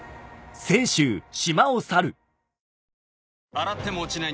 洗っても落ちない